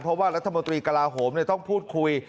เพราะว่ารัฐมนตรีกระลาโหมต้องพูดคุย